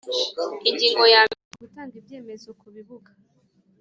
Ingingo ya mbere Gutanga ibyemezo ku bibuga